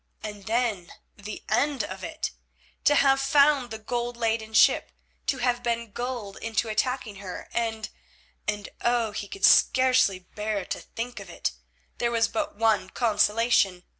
And then the end of it! To have found the gold laden ship, to have been gulled into attacking her, and—and—oh! he could scarcely bear to think of it! There was but one consolation.